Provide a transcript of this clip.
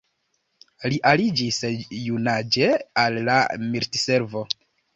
Li aliĝis junaĝe al la militservo.